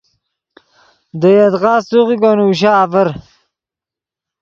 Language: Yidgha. دے یدغا سوغیکو نوشا آڤر